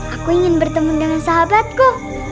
aku ingin bertemu dengan sahabatku